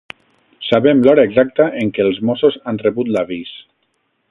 Sabem l'hora exacta en què els Mossos han rebut l'avís.